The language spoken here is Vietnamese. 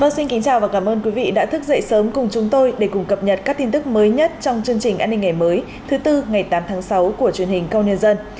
xin kính chào và cảm ơn quý vị đã thức dậy sớm cùng chúng tôi để cùng cập nhật các tin tức mới nhất trong chương trình an ninh ngày mới thứ tư ngày tám tháng sáu của truyền hình công nhân dân